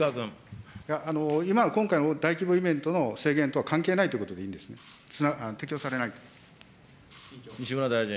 今回の大規模イベントの制限とは関係ないということでいいんですね、適用されないと。